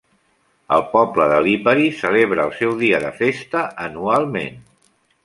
El poble de Lipari celebra el seu dia de festa anualment.